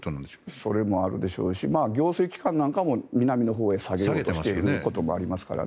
それもあるでしょうし行政機関なんかも南のほうに下げていることもあるでしょうからね。